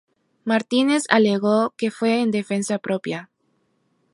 Martínez alegó que fue en defensa propia.